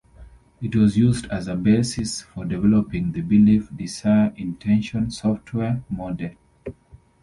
It was used as a basis for developing the belief-desire-intention software model.